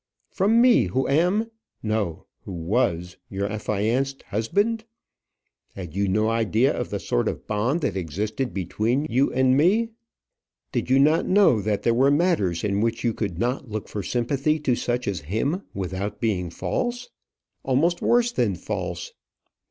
from me who am no, who was, your affianced husband! Had you no idea of the sort of bond that existed between you and me? Did you not know that there were matters in which you could not look for sympathy to such as him without being false, nay, almost worse than false?